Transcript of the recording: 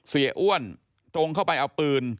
อ้วนตรงเข้าไปเอาปืน